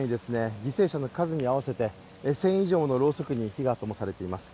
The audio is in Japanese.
犠牲者の数に合わせて１０００以上のろうそくに火がともされています